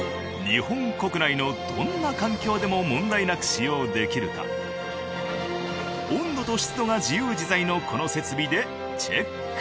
日本国内のどんな環境でも問題なく使用できるか温度と湿度が自由自在のこの設備でチェック。